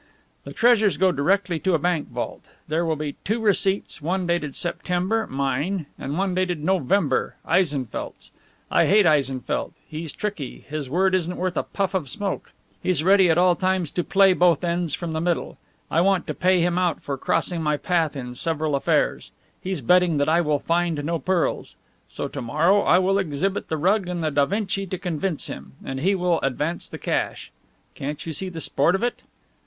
The treasures go directly to a bank vault. There will be two receipts, one dated September mine; and one dated November Eisenfeldt's. I hate Eisenfeldt. He's tricky; his word isn't worth a puff of smoke; he's ready at all times to play both ends from the middle. I want to pay him out for crossing my path in several affairs. He's betting that I will find no pearls. So to morrow I will exhibit the rug and the Da Vinci to convince him, and he will advance the cash. Can't you see the sport of it?"